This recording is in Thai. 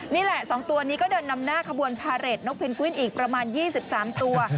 นี่แหละ๒ตัวนี้ก็เดินนำหน้าขบวนพาเรทนกเพนกวินอีกประมาณ๒๓ตัว